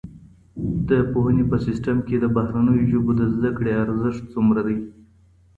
د پوهنې په سیسټم کي د بهرنیو ژبو د زده کړې ارزښت څومره دی؟